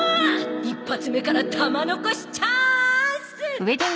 １発目から玉のこしチャンス！